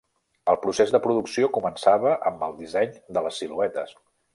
El procés de producció començava amb el disseny de les siluetes.